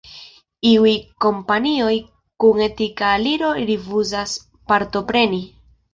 Iuj kompanioj kun etika aliro rifuzas partopreni.